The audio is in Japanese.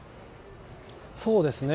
そうですね。